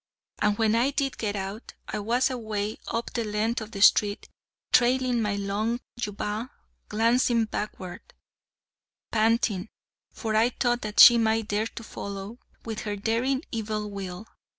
And when I did get out, I was away up the length of the street, trailing my long jubbah, glancing backward, panting, for I thought that she might dare to follow, with her daring evil will.